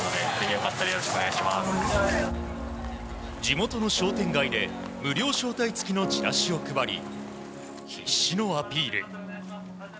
地元の商店街で無料招待付きのチラシを配り必死のアピール。